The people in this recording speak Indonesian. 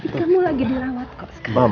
kamu lagi dirawat kok sekarang